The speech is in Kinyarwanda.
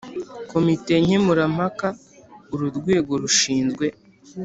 Komite nkemurampaka uru rwego rushinzwe